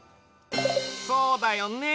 そうだよね。